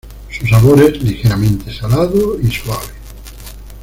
Su sabor es ligeramente salado y suave.